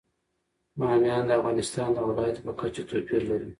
بامیان د افغانستان د ولایاتو په کچه توپیر لري.